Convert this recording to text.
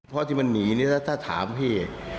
เพราะที่มันหนีเนี่ยถ้าถามพี่